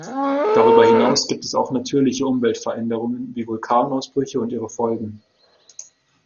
Darüber hinaus gibt es auch natürliche Umweltveränderungen, wie Vulkanausbrüche und ihre Folgen.